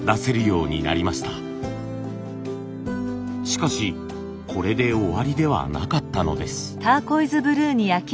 しかしこれで終わりではなかったのです。